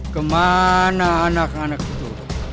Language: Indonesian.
kemana anak anak itu